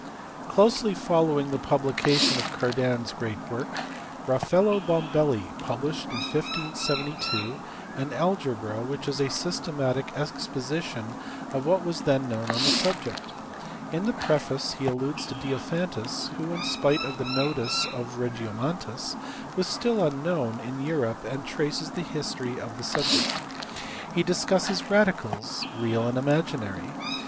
Closely following the publication of Cardan s great work, Rafaello Bombelli published in 1572 an algebra which is a systematic exposition of what was then known on the subject. In the preface he alludes to Diophantus who, in spite of the notice of Regiomontanus, was still unknown in Europe, and traces the history of the subject. He discusses radicals, real and imaginary.